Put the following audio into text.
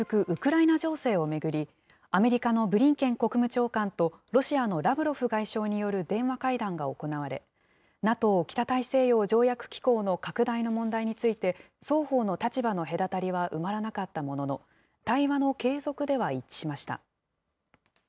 ウクライナ情勢を巡り、アメリカのブリンケン国務長官と、ロシアのラブロフ外相による電話会談が行われ、ＮＡＴＯ・北大西洋条約機構の拡大の問題について、双方の立場の隔たりは埋まらなかったものの、対話の継続では一致しました。